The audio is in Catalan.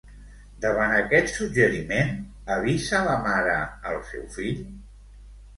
Davant aquest suggeriment, avisa la mare al seu fill?